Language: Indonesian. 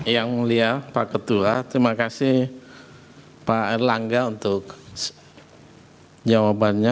yang mulia pak ketua terima kasih pak erlangga untuk jawabannya